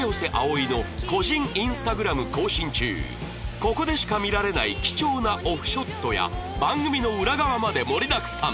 ここでしか見られない貴重なオフショットや番組の裏側まで盛りだくさん